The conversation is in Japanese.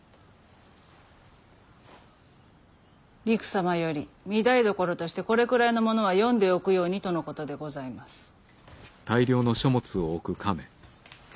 りく様より御台所としてこれくらいのものは読んでおくようにとのことでございます。